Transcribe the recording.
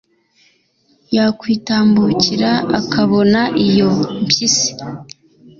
yakwitambukira akabona iyo mpyisi